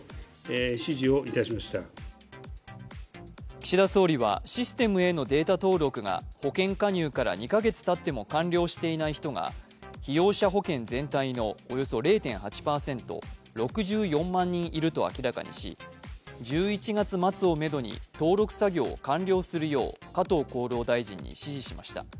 岸田総理は、システムへのデータ登録が保険加入から２か月たっても完了していない人が被用者保険全体のおよそ０．８％６４万人いると明らかにし、１１月末をめどに登録作業を完了するよう加藤厚労大臣に指示しました。